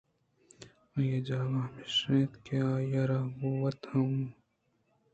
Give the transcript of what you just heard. آئی ءِ جاگہ ہمیش اِنت آئرا گوں وت ہورمہ کن